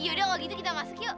yaudah kalau gitu kita masuk yuk